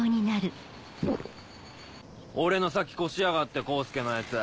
俺の先越しやがって功介のヤツ。